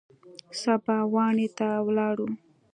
سبا واڼې ته ولاړو.